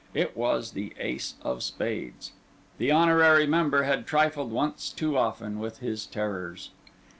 It was the ace of spades. The honorary member had trifled once too often with his terrors.